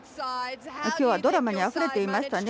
今日はドラマにあふれていましたね。